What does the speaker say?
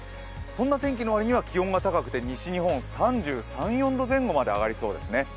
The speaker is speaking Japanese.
そんな天気の割には気温が高くて西日本３３、３４度前後になりそうです。